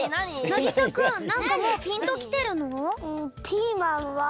なぎさくんなんかもうピンときてるの？